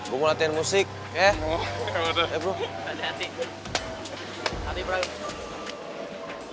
gue mau latihan musik ya